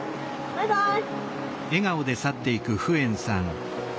バイバイ！